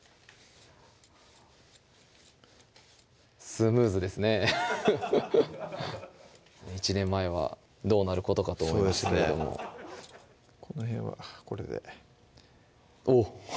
スムーズですね１年前はどうなることかと思いましたけれどもこの辺はこれでおっ！